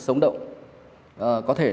sống động có thể